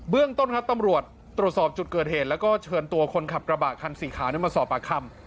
เรื่องต้นครับตำรวจตรวจสอบจุดเกิดเหตุแล้วก็เชิญตัวคนขับกระบะคันสีขาวมาสอบปากคำ